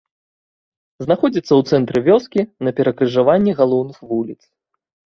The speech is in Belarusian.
Знаходзіцца ў цэнтры вёскі на перакрыжаванні галоўных вуліц.